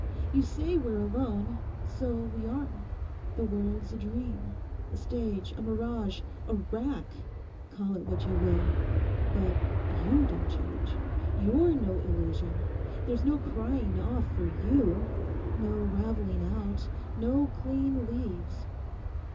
You say we're alone. So we are. The world's a dream, a stage, a mirage, a rack, call it what you will—but you don't change, you're no illusion. There's no crying off for you no ravelling out, no clean leaves.